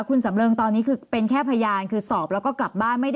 คุณสำเริงตอนนี้คือเป็นแค่พยานคือสอบแล้วก็กลับบ้านไม่ได้